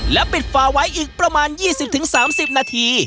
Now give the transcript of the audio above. และปิดฝาไว้อีกประมาณ๒๐๓๐นาที